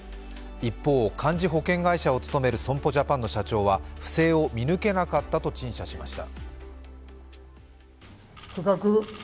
一方、幹事保険会社を務める損保ジャパンの社長は不正を見抜けなかったと陳謝しました。